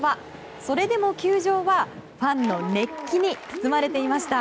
それでも球場は、ファンの熱気に包まれていました。